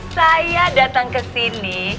saya datang kesini